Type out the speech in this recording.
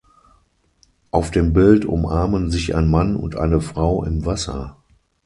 Auf dem Bild umarmen sich ein Mann und eine Frau im Wasser.